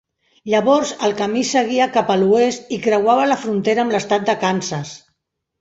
Llavors el camí seguia cap a l'oest i creuava la frontera amb l'estat de Kansas.